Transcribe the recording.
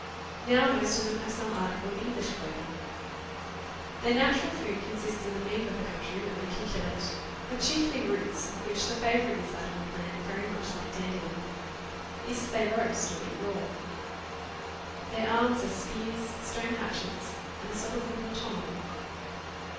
Now most of them have some article of English clothing. Their natural food consists of the meat of the country when they can kill it, but chiefly roots, of which the favourite is that of a plant very much like dandelion. This they roast or eat raw. Their arms are spears, stone hatchets, and a sort of wooden tomahawk.